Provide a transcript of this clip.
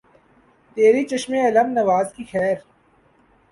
تیری چشم الم نواز کی خیر